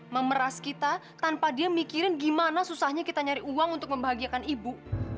memeras kita tanpa dia mikirin gimana susahnya kita nyari uang untuk membahagiakan ibu